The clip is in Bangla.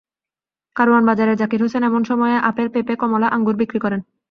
কারওয়ান বাজারের জাকির হোসেন এমন সময়ে আপেল, পেঁপে, কমলা, আঙুর বিক্রি করেন।